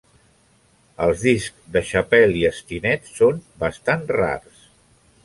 Els discs de Chappelle i Stinnette són bastant rars.